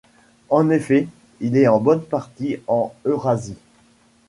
En effet, il est en bonne partie en Eurasie.